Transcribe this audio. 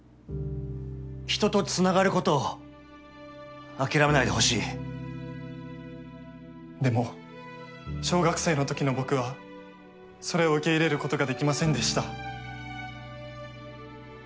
人とつながることを諦めないでも小学生のときの僕はそれを受け入れることができませんでした。